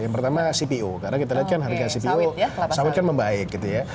yang pertama cpo karena kita lihat kan harga cpo sawit kan membaik gitu ya